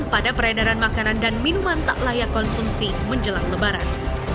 pada peredaran makanan dan minuman tak layak konsumsi menjelang lebaran